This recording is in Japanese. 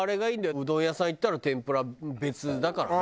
うどん屋さん行ったら天ぷらは別だからね。